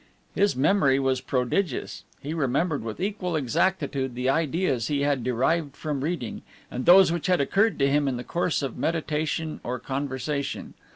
His memory was prodigious. He remembered with equal exactitude the ideas he had derived from reading, and those which had occurred to him in the course of meditation or conversation.